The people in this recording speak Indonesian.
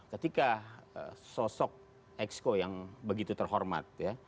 ketika sosok exco yang begitu terhormat ya